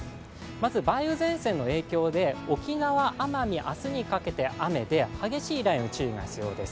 まず梅雨前線の影響で沖縄、奄美、明日にかけて雨で、激しい雷雨に注意が必要です。